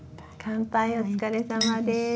乾杯お疲れさまです。